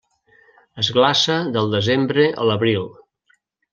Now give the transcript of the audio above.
Es glaça del desembre a l'abril.